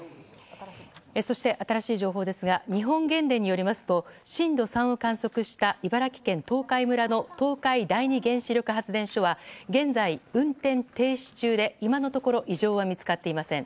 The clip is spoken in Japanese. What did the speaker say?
そして新しい情報ですが日本原電によりますと震度３を観測した茨城県東海村の東海第二原子力発電所は現在、運転停止中で今のところ異常は見つかっていません。